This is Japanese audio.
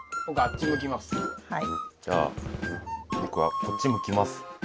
じゃあ僕はこっち向きます。